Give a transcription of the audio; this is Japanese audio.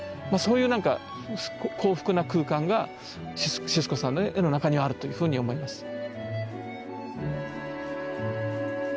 まあそういう何か幸福な空間がシスコさんの絵の中にあるというふうに思います。